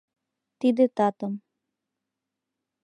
Тиде татым